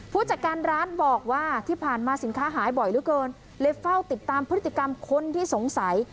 ผู้จัดการร้านบอกว่าที่ผ่านมาสินค้าหายบ่อยเหลือเกินเลยเฝ้าติดตามพฤติกรรมคนที่สงสัย